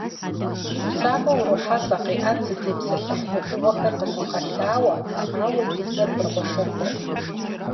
УсакӀуэ урохьэлӀэ, къиӀэт, зытепсэлъыхь Ӏуэхугъуэр къыщӀэгъэлъауэ, ауэ и бзэр быркъуэшыркъуэу.